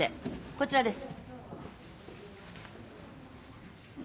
こちらです